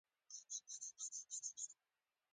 په ویا پینځوس شپږ کې پکې سري رایې وکارول شوې.